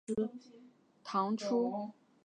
唐初从长清县中分出山荏县。